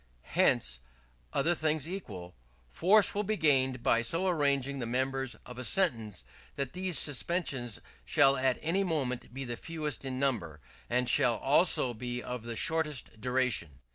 Hence, other things equal, force will be gained by so arranging the members of a sentence that these suspensions shall at any moment be the fewest in number; and shall also be of the shortest duration.